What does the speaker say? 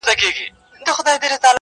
• د ميني داغ ونه رسېدی.